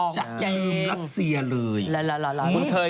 จะลืมรัสเซียเลย